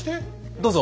どうぞ。